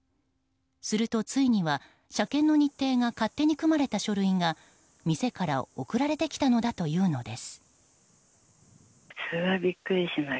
するとついには車検の日程が勝手に組まれた書類が店から送られてきたのだというのです。